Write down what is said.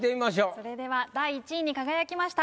それでは第１位に輝きました